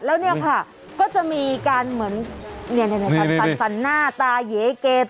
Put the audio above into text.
แล้วเนี่ยค่ะก็จะมีการเหมือนฟันฟันหน้าตาเย๋เก